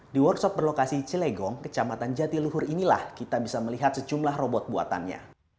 di workshop berlokasi cilegong kecamatan jatiluhur inilah kita bisa melihat sejumlah robot buatannya